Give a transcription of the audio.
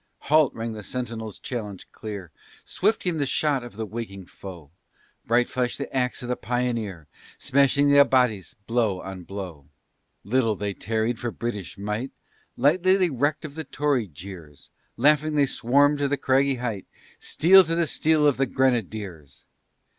"Halt!" rang the sentinel's challenge clear. Swift came the shot of the waking foe. Bright flashed the axe of the Pioneer Smashing the abatis, blow on blow. Little they tarried for British might! Lightly they recked of the Tory jeers! Laughing, they swarmed to the craggy height, Steel to the steel of the Grenadiers!